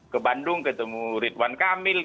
ke bandung ketemu ridwan kamil